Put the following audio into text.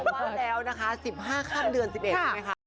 ว่าแล้วนะคะ๑๕ค่ำเดือน๑๑ใช่ไหมคะ